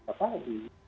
semua lini harus di atas